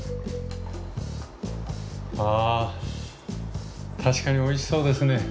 あ確かにおいしそうですね。